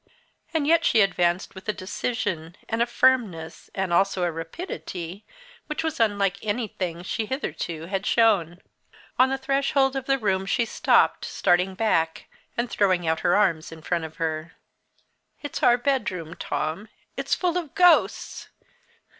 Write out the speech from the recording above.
And yet she advanced with a decision, and a firmness, and also a rapidity, which was unlike anything she hitherto had shown. On the threshold of the room she stopped, starting back, and throwing out her hands in front of her. "It's our bedroom, Tom it's full of ghosts!